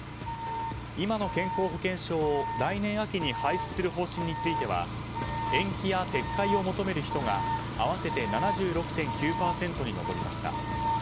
今の健康保険証を来年秋に排する方針については延期や撤回を求める人が合わせて７６．９％に上りました。